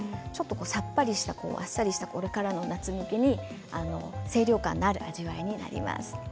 さっぱりしたあっさりしたこれからの夏に清涼感のある味わいになります。